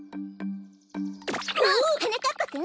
はなかっぱくん！